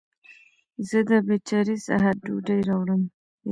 زه د بټاری څخه ډوډي راوړم